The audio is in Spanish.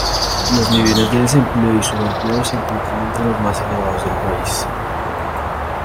Los niveles de desempleo y subempleo se encuentran entre los más elevados del país.